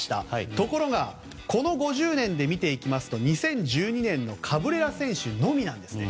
ところがこの５０年で見ていきますと２０１２年のカブレラ選手のみなんですね。